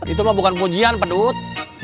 itu mah bukan pujian pedut